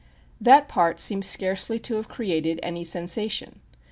That part seems scarcely to have created any sensation.